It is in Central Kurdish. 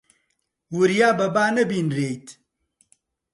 وریا بە با نەبینرێیت.